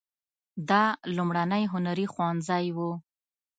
دا لومړنی هنري ښوونځی و.